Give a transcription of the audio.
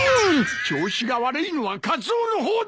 調子が悪いのはカツオの方だ！